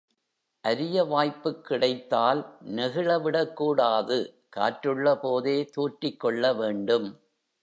அரிய வாய்ப்புக் கிடைத்தால் நெகிழவிடக்கூடாது காற்றுள்ள போதே தூற்றிக்கொள்ள வேண்டும்.